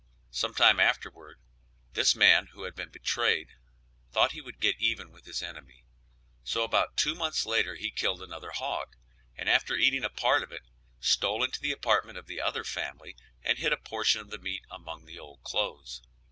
Sometime afterward this man who had been betrayed thought he would get even with his enemy; so about two months later he killed another hog, and, after eating a part of it, stole into the apartment of the other family and hid a portion of the meat among the old clothes.